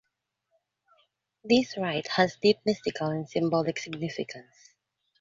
This rite has deep mystical and symbolic significance.